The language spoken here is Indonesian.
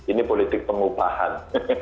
ini politik pengubahan